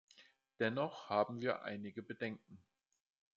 Dennoch haben wir einige Bedenken.